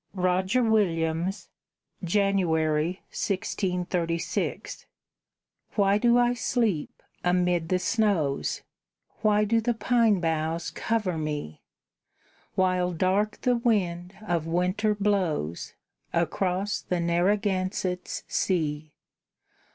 ROGER WILLIAMS [January, 1636] Why do I sleep amid the snows, Why do the pine boughs cover me, While dark the wind of winter blows Across the Narragansett's sea?